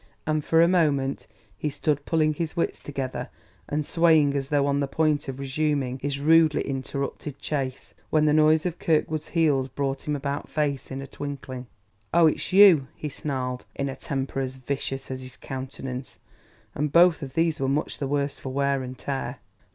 And for a moment he stood pulling his wits together and swaying as though on the point of resuming his rudely interrupted chase; when the noise of Kirkwood's heels brought him about face in a twinkling. "Ow, it's you, eh!" he snarled in a temper as vicious as his countenance; and both of these were much the worse for wear and tear.